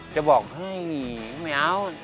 จะบอกไม่เอา